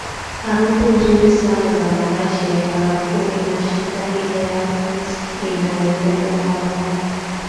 Harufu nzuuri sana ya marashi ya karafuu inashinda ile ya Misk inayopendwa na Waarabu